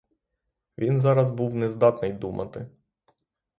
Він зараз був нездатний думати.